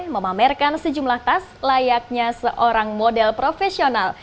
memamerkan sejumlah tas layaknya seorang model profesional